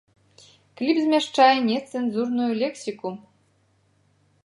Кліп змяшчае нецэнзурную лексіку!